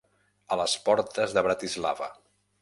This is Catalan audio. A les portes de Bratislava.